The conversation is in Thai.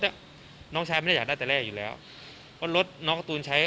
เนี้ยน้องชายไม่ได้อยากได้แต่แรกอยู่แล้วเพราะรถน้องการ์ตูนใช้